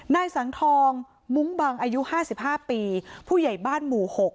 นายสังทองมุ้งบังอายุ๕๕ปีผู้ใหญ่บ้านหมู่๖